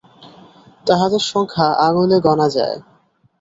তাহাদের সংখ্যা আঙুলে গণা যায়।